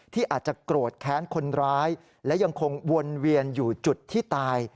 ที่อาจจะโกรธแค้นคนร้ายและยังคงวนเวียนอยู่จุดที่ตาย